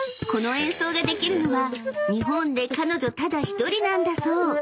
この演奏ができるのは日本で彼女ただ一人なんだそう］